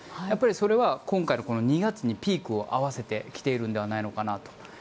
やっぱりそれは今回の２月にピークを合わせてきているのではないのかなと。